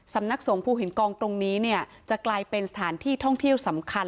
สำนักสงภูหินกองตรงนี้เนี่ยจะกลายเป็นสถานที่ท่องเที่ยวสำคัญ